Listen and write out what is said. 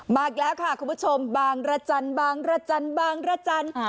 มากแล้วค่ะคุณผู้ชมบางรจรบางรจรบางรจร